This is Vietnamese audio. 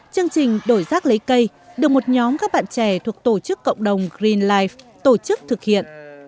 chương trình đổi rác lấy cây được một nhóm các bạn trẻ thuộc tổ chức cộng đồng green life tổ chức thực hiện